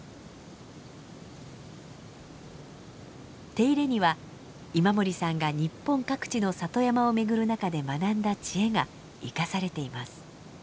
手入れには今森さんが日本各地の里山を巡る中で学んだ知恵が生かされています。